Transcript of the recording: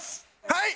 はい！